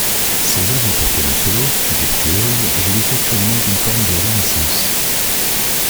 Ses œuvres pour piano solo, virtuoses, jouissent actuellement d’une forme de renaissance.